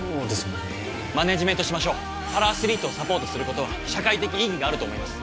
もんマネージメントしましょうパラアスリートをサポートすることは社会的意義があると思います